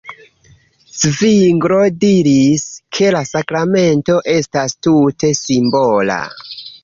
Zvinglo diris, ke la sakramento estas tute simbola.